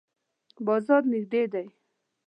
بازار نږدې دی؟